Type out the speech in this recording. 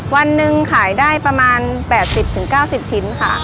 วันหนึ่งขายได้ประมาณ๘๐๙๐ชิ้นค่ะ